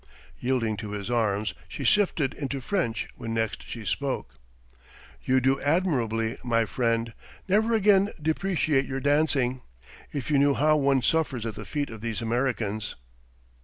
Yielding to his arms, she shifted into French when next she spoke. "You do admirably, my friend. Never again depreciate your dancing. If you knew how one suffers at the feet of these Americans